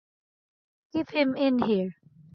Keep him in here!